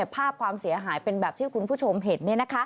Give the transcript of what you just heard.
ความเสียหายเป็นแบบที่คุณผู้ชมเห็น